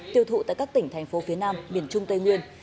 tiêu thụ tại các tỉnh thành phố phía nam miền trung tây nguyên